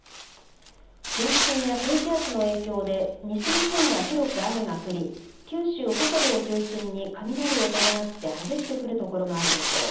前線や低気圧の影響で西日本は広く雨が降り九州北部を中心に雷を伴って激しく降る所もあるでしょう。